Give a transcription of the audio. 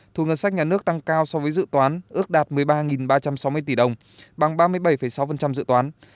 thu ngân sách nhà nước tăng cao so với dự toán ước đạt một mươi ba ba trăm sáu mươi tỷ đồng bằng ba mươi bảy sáu dự toán